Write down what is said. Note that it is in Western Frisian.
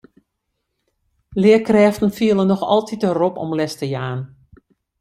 Learkrêften fiele noch altyd de rop om les te jaan.